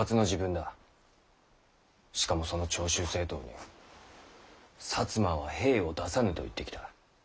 しかもその長州征討に摩は兵を出さぬと言ってきた。